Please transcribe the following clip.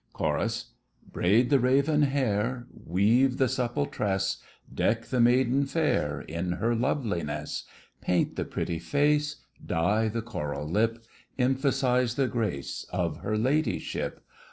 CHORUS. Braid the raven hair— Weave the supple tress— Deck the maiden fair In her loveliness— Paint the pretty face— Dye the coral lip— Emphasize the grace Of her ladyship!